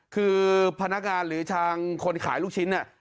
คือพนักงานหรือทางคนขายลูกชิ้นเนี่ย